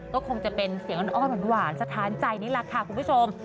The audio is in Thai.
ก็คงจะเป็นเสียงอ้อนหวานสะท้านใจนี่แหละค่ะคุณผู้ชม